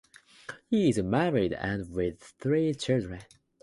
He is married and with three children.